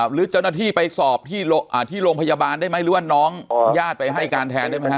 หรือเจ้าหน้าที่ไปสอบที่โรงพยาบาลได้ไหมหรือว่าน้องญาติไปให้การแทนได้ไหมฮ